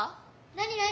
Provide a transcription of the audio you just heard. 何何？